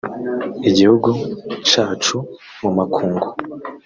igihugu cacu mu makungu"